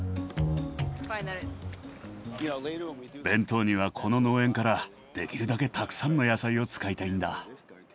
弁当にはこの農園からできるだけたくさんの野菜を使いたいんだ。